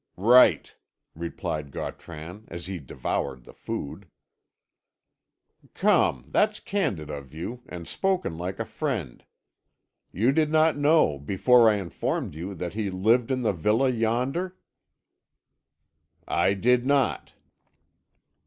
"Right," replied Gautran, as he devoured the food. "Come, that's candid of you, and spoken like a friend. You did not know, before I informed you, that he lived in the villa yonder?" "I did not."